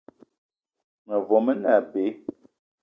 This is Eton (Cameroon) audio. Mevo me ne abe.